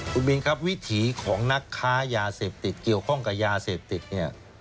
คุณบินครับวิถีของนักค้ายาเสพติดเกี่ยวข้องกับยาเสพติดเนี่ย